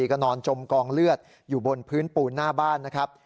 ก็นอนจมกองเลือดอยู่บนพื้นปูนหน้าบ้านนะครับ